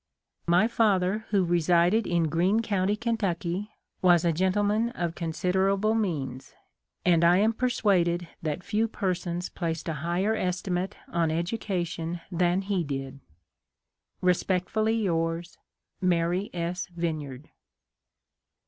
" My father, who resided in Green county, Ken tucky, was a gentleman of considerable means ; and I am persuaded that few persons placed a higher estimate on education than he did. " Respectfully yours, " Mary S. Vineyard."